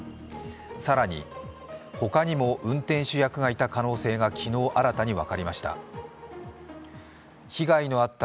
更に、他にも運転手役がいたことが昨日新たに分かりました。